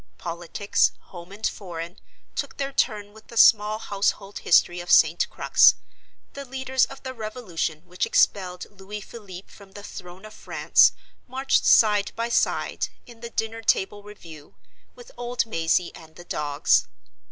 Politics, home and foreign, took their turn with the small household history of St. Crux; the leaders of the revolution which expelled Louis Philippe from the throne of France marched side by side, in the dinner table review, with old Mazey and the dogs.